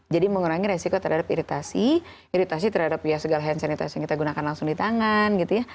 jadi mengurangi resiko terhadap iritasi iritasi terhadap ya segala hand sanitasi yang kita gunakan langsung di tangan gitu ya